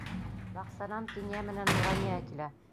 Баҡсанан Кинйә менән Нурания килә.